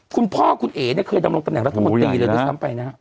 คุณพ่อคุณเอ๋เนี่ยเคยดำรงตำแหรัฐมนตรีเลยด้วยซ้ำไปนะฮะ